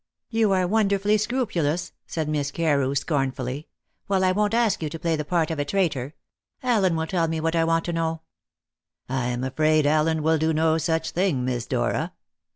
"You are wonderfully scrupulous," said Miss Carew scornfully. "Well, I won't ask you to play the part of a traitor. Allen will tell me what I want to know." "I am afraid Allen will do no such thing, Miss Dora."